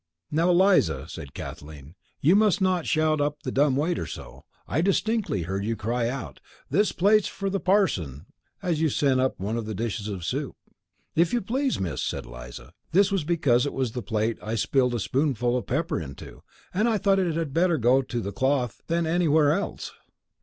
"Now, Eliza," said Kathleen, "you must not shout up the dumb waiter so. I distinctly heard you cry out 'This plate's for the parson!' as you sent up one of the dishes of soup." "If you please, Miss," said Eliza. "That was because it was the plate I spilled a spoonful of pepper into, and I thought it had better go to the cloth than anywhere else.